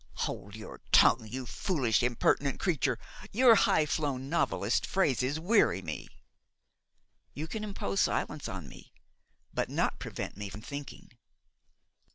"Hold your tongue, you foolish, impertinent creature; your high flown novelist's phrases weary me." "You can impose silence on me, but not prevent me from thinking."